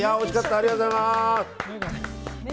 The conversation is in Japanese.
ありがとうございます。